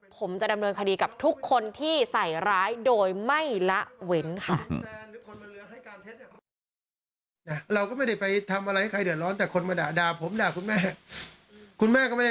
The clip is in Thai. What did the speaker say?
ผมจะดำเนินคดีกับทุกคนที่ใส่ร้ายโดยไม่ละเว้นค่ะ